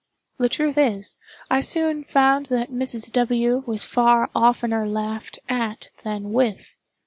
The truth is, I soon found that Mrs. W. was far oftener laughed at than with.